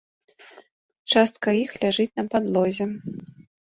Частка іх ляжыць на падлозе.